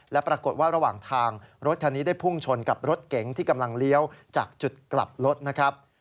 และปรากฏว่าระหว่างทางรถคันนี้ได้พุ่งชนกับรถเก๋งที่กำลังเลี้ยวจากจุดกลับรถนะครับ